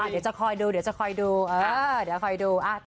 เดี๋ยวจะคอยดู